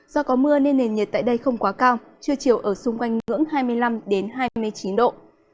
do có mưa nên nền nhiệt tại đây không quá cao trưa chiều ở xung quanh ngưỡng hai mươi năm hai mươi chín độ